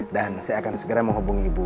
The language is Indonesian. dan saya akan segera menghubungi bu